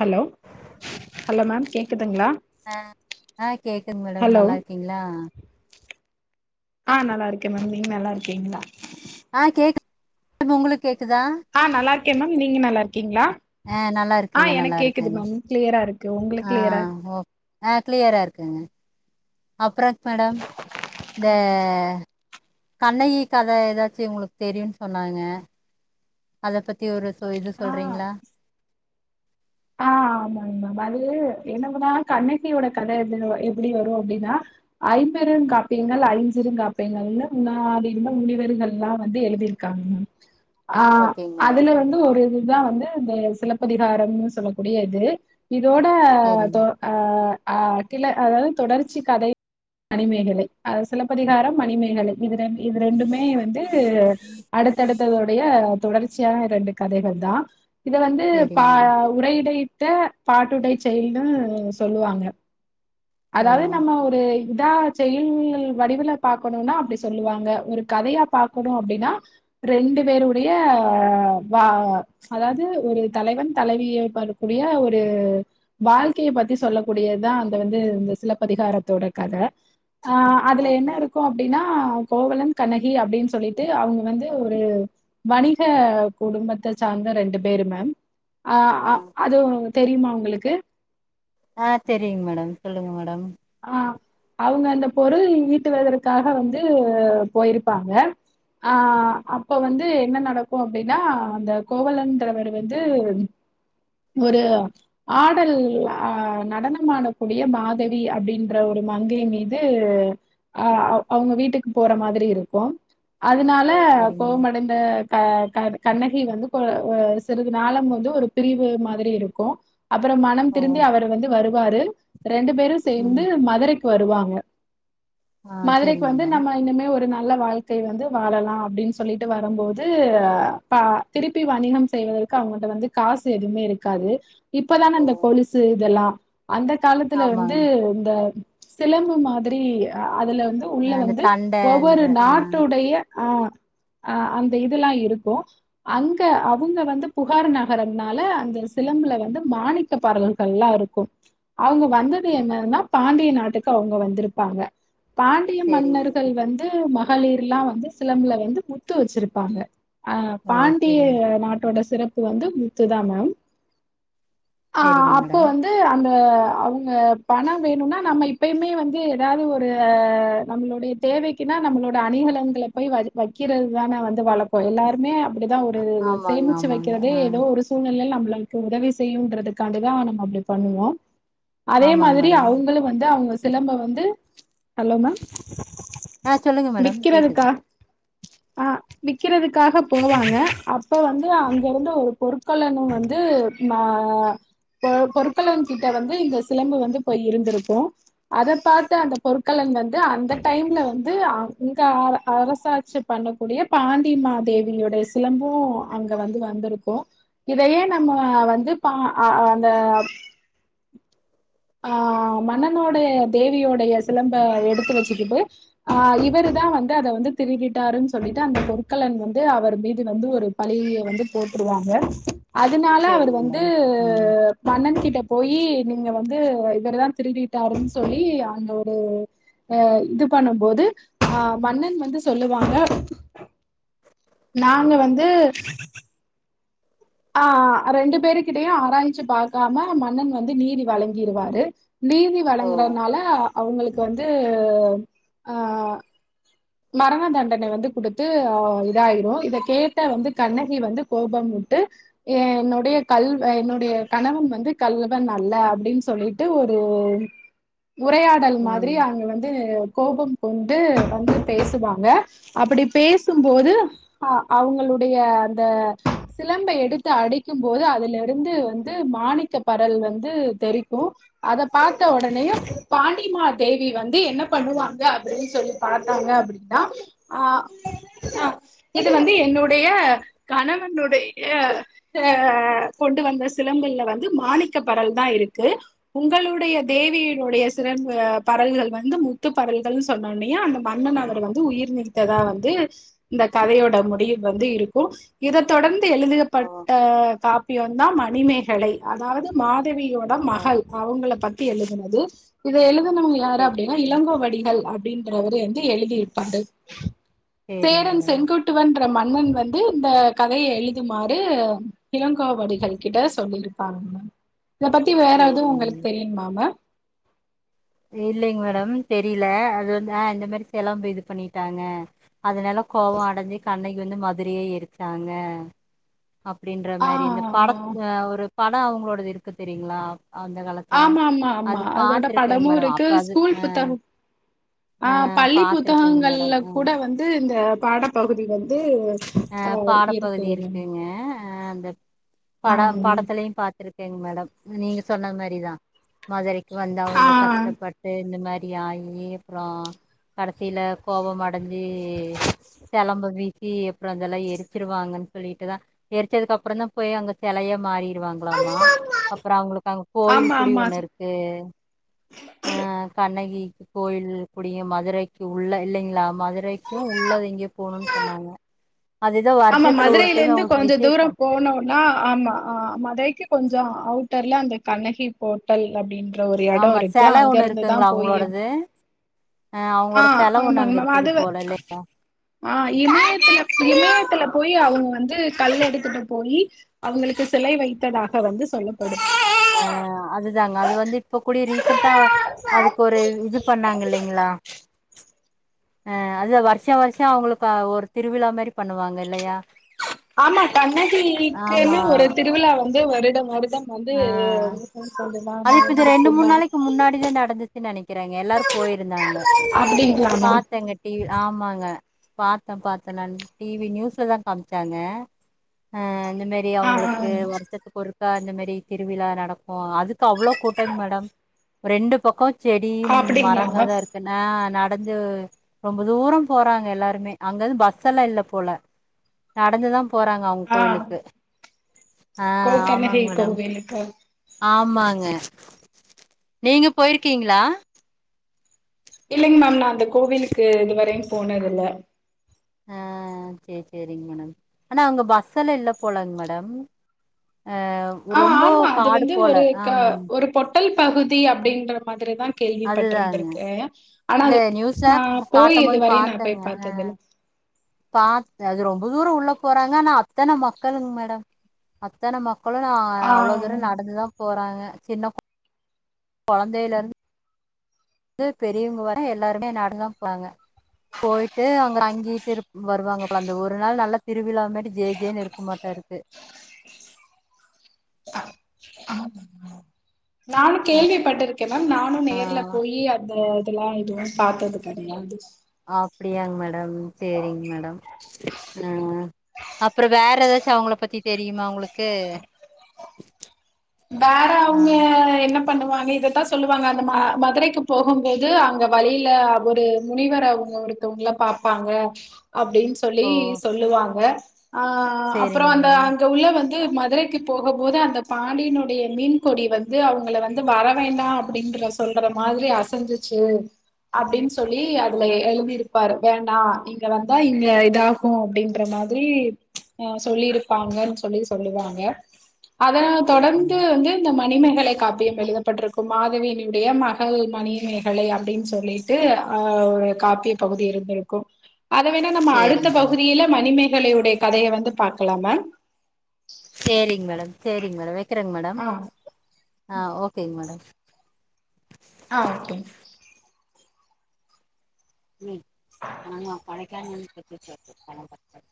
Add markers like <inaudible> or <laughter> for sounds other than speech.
Hello hello ma'am கேக்குதுங்ளா ஆ கேக்குது மேடம் நல்லா இருக்கீங்ளா ஆ நல்லா இருக்கேன் மேம் நீங்க நல்லா இருக்கீங்ளா ஆ கேக்கு உங்களுக்கு கேக்குதா ஆ நல்லா இருக்கேன் மேம் நீங்க நல்லா இருக்கீங்ளா ஆ நல்லா ஆ இருக்குங்க நல்லா எனக்கு கேக்குது இருக்குங்க மேம் கிளியரா இருக்கு உங்களுக்கு ஆ கிளியரா ஓ ஆ கிளியரா இருக்குங்க அப்றோ மேடம் இந்த கண்ணகி கதை எதாச்சு உங்களுக்கு தெரியுன்னு சொன்னாங்க அத பத்தி ஒரு இது ஆ சொல்றீங்ளா ஆ ஆமாங்கமா அது என்னதுன்னா கண்ணகியோட கத எது எப்டி வரு அப்டின்னா ஐம்பரும் காப்பியங்கள் ஐஞ்சிறு காப்பியங்கள்னு முன்னாடிருந்த முனிவர்கள்லா வந்து எழுதிருக்காங்கங்க உம் ஆ ஓகேங்க மேடம் அதுல வந்து ஒரு இதுதா வந்து இந்த சிலப்பதிகாரம்னு சொல்லக்கூடிய இது இதோட சரிங்க தொ அ அகில அதாவது தொடர்ச்சி கதை மணிமேகலை அ சிலப்பதிகாரோ மணிமேகலை இது ரெண் இது ரெண்டுமே வந்து அடுத்தடுத்ததொடைய தொடர் ச்சியா ரெண்டு கதைகள்தான் இத வந்து சரிங்க பா மேடம் உடையிடையிட்ட பாட்டுடை செயல்ன்னு சொல்லுவாங்க ஓ அதாவது நம்ம ஒரு இதா செய்யுள் வடிவுல பாக்கணுனா அப்டி சொல்லுவாங்க ஒரு கதையா பாக்கணு அப்டின்னா ரெண்டு பேருடைய வா அதாவது ஒரு தலைவன் தலைவிய வரக்கூடிய ஒரு வாழ்க்கையை பத்தி சொல்லக்கூடியதுதா அந்த வந்து இந்த சிலப்பதிகாரத்தோட கத ஆ அதுல என்ன ஓகேங்க இருக்கோ அப்டின்னா கோவலன் கண்ணகி அப்டின் சொல்லிட்டு அவுங்க வந்து ஒரு வணிக குடும்பத்த சார்ந்த ரெண்டு பேரு மேம் அ அ ஆ அது தெரிமா உங்களுக்கு ஆ தெரியுங் மேடம் சொல்லுங்க மேடம் ஆ அவுங்க அந்த பொருள் ஈட்டுவதற்காக வந்து போயிருப்பாங்க ஆ அப்ப வந்து என்ன நடக்கு அப்டின்னா அந்த கோவலன்றவர் வந்து ஒரு ஆடல் அ நடனமாடக்கூடிய மாதவி அப்டின்ற ஒரு மங்கையின் மீது அ அவுங்க வீட்டுக்கு போற மாதிரி இருக்கு அதனால ஓ சரிங்க மேடம். கோவமடை அ க கண்ணகி வந்து கொ ஒ சிறிது நாளம் வந்து ஒரு பிரிவு மாதிரி இருக்கு அப்றோ மனம் ஓ திருந்தி அவர வந்து வருவாரு ரெண்டு பேரு சேர்ந்து ம் மதுர க்கு வருவாங்க ஆ மதுரைக்கு சரிங்க வந்து மேடம் நம்ம இனிமே ஒரு நல்ல வாழ் க்கை வந்து வாழலா அப்டின்னு சொல்லிட்டு வரம்போது ப திருப்பி வணிகம் செய்வதற்கு அவுங்க கிட்ட வந்து காசு எதுமே இருக்காது இப்பதான ஓ அந்த கொலுசு இதெல்லா அந்த காலத்துல வந்து ஆமாங்க இது இந்த சிலம்பு மாதிரி அதுல வந்து ஆ உள்ள இந்த வந்து ஒவ்வொரு தண்டைன்ற ஆ நாட்டொடைய ஆ அ அந்த இதுல்லா இருக்கு அங்க அவுங்க வந்து புகார் நகரம்னால அந்த சிலம்புல வந்து மாணிக் க பறல்கள்லா இருக்கு அவுங்க வந்து னு என்னனா பாண்டிய நாட்டுக்கு அவுங்க வந்துருப்பாங்க பாண்டிய சரிங்க மன்னர்கள் வந்து ம களிர்லா வந்து சிலம்புல வந்து முத்து வச்சுருப்பாங்க அ ஓ பாண்டிய சரிங்க நாட்டோட சிறப்பு வந்து முத்துதா மேம் ஆ சரிங்க அப்போ மேடம் வந்து அந்த அவுங்க பண வேணுன்னா நம்ம இப்பயுமே வந்து எதாவ்து ஒரு நம்மளுடைய தேவை க்கினா நம்மளோட அணிகலன்கள போய் வழி வக்கிறதுதான வந்து வழக்கொ எல்லாருமே அப்பிடிதா ஒரு ஆமாங்க சேமிச்சு ஆமாங்க வக்கிறதே ஆ எதோ ஒரு சூழ்நெலல் நம்ளுக்கு உதவி செய்யுன்றதுக்கான்டிதா நம்ம அப்டி பண்ணுவோ ஆமாங் மேடம் <unintelligible> வந்து அவுங்க சிலம்பொ வந்து ஹலோ மேம் ஆ சொல்லுங்க மேடம் கேக்குது விக்கிறதுக்கா ஆ விக்கிறதுக்காக போவாங்க அப்ப வந்து அங்கருந்த ஒரு பொற்கொல்லனு வந்து ஆ ப பொற்கொலன் கிட்ட வந்து இந்த சிலம்பு வந்து போய் இருந்திருக்கு அத பார்த்த அந்த பொற்கலன் வந்து அந்த டைம்ல வந்து அ அங்க அ அரசாட்சி பண்ணக்கூடிய பாண்டி மா தேவியோடைய சிலம்பு அங்க வந்து வந்துருக்கு இதயே நம்ம வந்து பா அ அந்த ஆ மன்னனோட தேவியோடைய சிலம்ப எடுத்து வெச்சுகிட்டு ஆ இவரு தா வந்து அத வந்து திருடிட்டாருன் சொல்லிட்டு அந்த பொற்கல்லன் வந்து அவர் மீது வந்து ஒரு பழிய வந்து போட்ருவாங்க அதுனால அவர் சேரிங்க வந்து மேடம் ம் மன்னன் கிட்ட போயி நீங்க வந் து இவர்தா திருடிட்டாருன் சொல்லி அங்க ஒரு அ இது பண்ணும்போது ஆ மன்னன் வந்து சொல்லுவாங்க நாங்க வந்து ஆ அ ரெண்டு பேரு கிட்டயு ஆராய்ஞ்சு பாக்காம மன்னன் வந்து நீதி வழங்கிருவாரு நீதி ஓ வழங்குறனால அவுங்களுக்கு வந்து ஆ மரண தண்டனை வந்து குடுத்து ஆ இதாயிரு இதக் கேட்ட வந்து கண்ணகி வந்து கோபமுட்டு ஏ என்னுடைய ம் கள் வ என்னுடைய கணவன் வந்து கள்வன் அல்ல அப்டின் சொல்லிட்டு ஒரு உரையா டல் மாதிரி ம் அங்க வந்து கோபம் கொண்டு வந்து பேசுவாங்க அப்பிடி பேசும்போது அ அவுங்களுடைய அந்த சிலம்ப எடுத்து அடிக்கும் போது அதுலருந்து வந்து மாணிக் கப் பறல் வந்து தெரிக்கு அதப்பாத்த ஒடனேயு பாண்டிமா தேவி வந்து என்ன பண்ணுவாங்க அப்பிடின் சொல்லி பாத் தாங்க அப்பிடின்னா ஆ அ இது வந்து என்னுடைய கணவனுடைய அ அ கொண்டு வந்த சிலம்புல வந்து மாணிக்கப்பரல்தா இருக்கு உங்களுடைய தேவியினுடைய சிலம்பு பரல்கள் வந்து முத்துப் பரல்கள்னு சொன்னோன்னையு அந்த மன்னன் அவர் வந்து உயிர் நீத்ததா வந்து இந்தக் கதையோட முடிவு வந்து இருக்கு இதத் தொடர்ந்து எழுதப் ஓ பட்ட காப்பியொந்தா மணிமேகலை அதாவுது மாதவியோட ஓ மகள் அவுங்களப் பத்தி எழுதுனது இத எழுதுனவுங்க யாரு சேரி சேரி அப்டினா இளங்கோவடிகள் அப்டின்றவரு வந் து எழுதிருப்பாரு சேரிங்க சேரன் மேடம் செங்குட் டுவன்ற மன்னன் வந்து இந்தக் கதைய எழுதுமாறு இளங்கோவடிகள் கிட்ட சொல்லியிருப்பாங்க மேம் இதப் பத்தி வேற எது சேரிங்க உங்களுக் தெரியுமா மேம்? இல்லிங்க மேடம் தெரில அது வந்து ஆ இந்த மாரி செலம்பு இது பண்ணிட்டாங்க அதுல எல்லா கோவ அடைஞ்சு கண்ணகி வந்து மதுரைய எரிச்சாங்க அப்டின்ற மாரி இந்தப் படத் ஆ ஒரு படம் அவுங்களோடது இருக்கு தெரியுங்களா அந்த காலத்து ஆமா ஆமா ஆமா அதோட படமு இருக்கு அப்ப அது ஸ்கூல் புத்தகம் ஆ பள்ளிப் பாத்துருக்கேங்க மேடம் புத்தகங்கள்ல கூட வந்து இந்த பாடப்பகுதி வந்து ஆ ஆஹ் இருக்கு பாடப்பகுதி இருக்குங்க அ அந்த பட ஆம். படத்துலயு பாத்துருக்கேங் மேடம் நீங்க சொன்ன மாரிதா மதுரைக் வந்து அவுங்க ஆஹ் கஷ்டப்பட்டு இந்த மாரி ஆயி அப்புறோ கடைசில கோவம் அடைஞ்சி செலம்ப வீசி அப்புறோ அதெல்லா எரிச்சிருவாங்கன்னு சொல்லிட்டுதா எரிச்சதுக் கப்புறந்தா போய் அங்க செலையா மாறிருவாங்க க்கலாமா அப்புறோ அவுங்களுக்கு அங்க கோயில் ஆமா கூடி ஆமா ஒன்னு இருக்கு ஆ கண்ணகி கோயில் கூடிய மதுரைக்கு உள்ள இல்லிங்களா மதுரைக்கும் உள்ளது எங்கயோ போணும்னு சொன்னாங்க அதுதா ஆமா வருஷத்துல ஒரு மதுரையில டைம் இருந்து அவங்களுக்கு கொஞ்ச தூரம் விசேஷம் போணு நா ஆமா ஆ மதுரைக்கு கொஞ்சொ அவுட்டர்ல அந்த கண்ணகி போட்டல் அப்டின்னு ற ஒரு எடம் ஆமா இருக்கு செல அங்க ஒண்ணு இருந்து தா இருக்குங்களா போயி அவங்களோடது அ ஆ அவங்களோட செலவு ஒண்ணு ஆமாங்க அங்க மேம் இருக்குது அதுல போல இல்லையா ஆ இமயத்துல இமயத் த்துல போயி அவுங்க வந்து கல் எடுத்துட்டு போயி அவுங்களுக்கு சிலை வைத்ததாக வந்து சொல்லப்படும் ஆ அதுதாங்க அது வந்து இப்ப கூடி ரீசென்ட்டா அதுக்கொரு இது பண்ணாங்க இல்லைங்களா அ அதுதா வருஷா வருஷம் அவுங்களுக்கு ஒரு திருவிழா மாரி பண்ணுவாங்க இல்லையா ஆமா ஆமா கண்ணகிக்குன்னு ஒரு திருவிழா வந்து வருடா வருடம் வந்து ஆ அது இப்ப இது <unintelligible> க்கிறாங்க எல்லாரு போயிருந்தாங்க அப்டிங்களா மேம் பாத்தேங்க டிவி ஆமாங்க பாத்தே பாத்தே நான் டிவி நியூஸ்ல தா காமிச்சாங்க ஆ இந்த மாரி ஆ அவுங்களுக்கு ஆ வருஷத்துக்கு ஒருக்கா இந்த மாரி திருவிழா நடக் ஓ அதுக்கு அவ்ளோ கூட்டங்க மேடம் ரெண்டு பக்கோ செடி அப்டிங்களா மரங்கதா மேம் இருக்கு ன்னா நடந்து ரொம்ப தூரம் போறாங்க எல்லாருமே அங்கந்து பஸ் எல்லாம் இல்ல போல நடந்துதான் போறாங்க அவுங்க ஆ கோயிலுக்கு ஆ கோ தன்னதி ஆமாங்க மேடம் கோவிலுக்கு ஆமாங்க நீங்க போயிருக்கீங்களா இல்லிங் மேம் நான் அந்த கோவிலுக்கு இதுவர போனது இல்ல ஆ செரி செரிங்க மேடம் ஆனா அவுங்க பஸ்ல இல்ல போலாங்க மேடம் அ ஆ ரொம்ப காடு போல ஆம் கடல் பகுதி அப்பிடின்ற மாதிரிதான் அதுதாங்க கேள்விப்பட்டிருந்திருக்கே ஆனா இல்ல அது நியூஸ்ல நா போய் காட்டும் போது இதுவரையும் நான் போய் பாத்ததில்ல பாத்து அது ரொம்ப தூரம் உள்ள போறாங்க ஆனா அத்தனை மக்களுங் மேடம் அத்தன மக் மள்ள ஆ அவ்ளோ தூரம் நடந்துதான் போறாங்க சின்ன கொழந்தைல்ல இருந்து ந்து பெரியவங்க வர எல்லாருமே நடந்து தான் போறாங்க போயிட்டு அங்க தங்கிட்டு இரு வருவாங்க அந்த ஒரு நாள் நல்லா திருவிழாாமேட்டு ஜேஜேன்னு இருக்கமாட்டோ இருக்கு ஆ ஆமாங் மேம் நானு கேள்விப்பட்டிருக்கேன் மேம் நானு நேர்ல போயி அந்த இதெல்லா எதுவு பாத்தது கெடையாது அப்டியாங் மேடம் சேரிங் மேடம் ஆ அப்றோ வேற ஏதாச்சும் அவங்கள பத்தி தெரியுமா உங்களுக்கு வேற ஆ அவுங்க என்னப் பண்ணுவாங்க இதத்தா சொல்லுவாங்க அந்த மதுரைக்கு போகும்போது அங்க வழில ஒரு முனிவரு அவுங்க ஒரு ஒருத்தவங்கள பாப்பாங்க அப்டின் சொல்லி ஓ சொல்லுவாங்க அ அப்றோ சேரிங்க அந்த மேடம் அங்க உள்ள வந்து மதுரைக்கு போகும்போது அந்த பா பாண்டியனுடைய மீன் கொடி வந்து அவுங்க வந்து வர வேண்டா அப்டின்ற சொல்ற மாதிரி அசஞ்சி சேரி அப்டின் சொல்லி அதுல எழுதிருக் பாரு வேண்டா இங்க வந்தா இங்க இதாகு அப்டின்ற மாதிரி ஆ சொல்லி இருப்பாங்கன்னு சொல்லி சொல்லுவாங்க அதனல அப்டிங்க மேடம் க்கு வந்து இந்த மணிமேகலை காப்பியம் எழுதப்பட்டிருக்கும் மாதவியினுடைய மகள் மணிமேகலை அப்டின் சொல்லி ல்லிட்டு ஒரு காப்பிய பகுதி இருந்திருக்கு அத வேணா நம்ம அடுத்த சேரிங்க மேடம் பகுதியில மணிமேகலையுடைய கதைய வந்து பாக்கலா மேம் சேரிங்க மேடம் சேரிங்க மேடம் வெக்கிறேங்க மேடம் ஆ ஆ ஓகேங்க மேடம் ஆ ஓகேங்க ம் நாங்க கொடைக்கானல் பக்கத்து <inaudible>